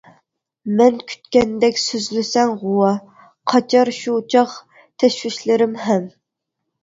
مەن كۈتكەندەك سۆزلىسەڭ غۇۋا، قاچار شۇ چاغ تەشۋىشلىرىم ھەم.